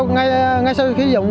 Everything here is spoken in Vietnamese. ngay sau khi sử dụng